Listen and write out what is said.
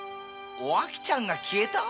お秋ちゃんが消えた？